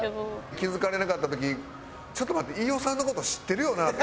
気付かれなかった時ちょっと待って飯尾さんの事知ってるよな？と。